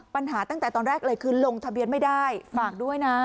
ตั้งแต่ตอนแรกเลยคือลงทะเบียนไม่ได้ฝากด้วยนะ